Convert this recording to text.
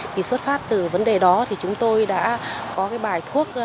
thì xuất phát từ vấn đề đó thì chúng tôi đã có cái bài thuốc